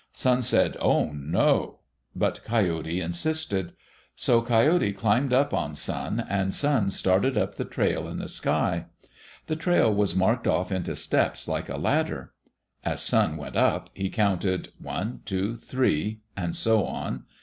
Sun said, "Oh, no"; but Coyote insisted. So Coyote climbed up on Sun, and Sun started up the trail in the sky. The trail was marked off into steps like a ladder. As Sun went up he counted "one, two, three," and so on.